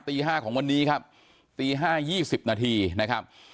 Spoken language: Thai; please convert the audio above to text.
ตี๕ของวันนี้ครับตี๕๒๐นาทีนะครับ